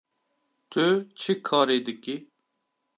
Tu çi karî dikî?